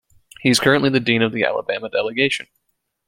He is currently the dean of the Alabama delegation.